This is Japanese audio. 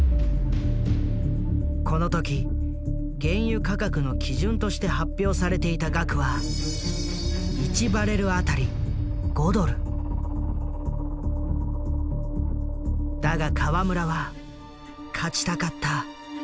この時原油価格の基準として発表されていた額はだが河村は勝ちたかった。